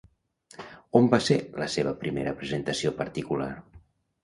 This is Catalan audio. On va ser la seva primera presentació particular?